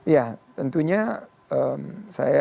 ya tentunya saya